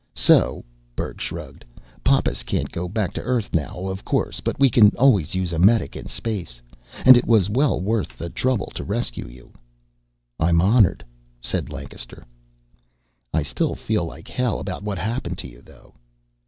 So " Berg shrugged. "Pappas can't go back to Earth now, of course, but we can always use a medic in space, and it was well worth the trouble to rescue you." "I'm honored," said Lancaster. "I still feel like hell about what happened to you, though."